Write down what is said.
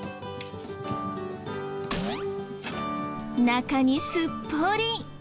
中にすっぽり。